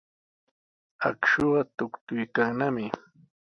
Akshuqa tuktuykannami.